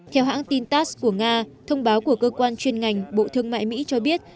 theo hãng tin tass của nga thông báo của cơ quan chuyên ngành bộ thương mại mỹ cho biết